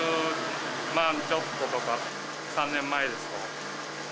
５０万ちょっととか３年前ですと。